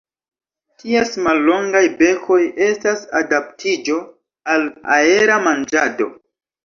Ties mallongaj bekoj estas adaptiĝo al aera manĝado.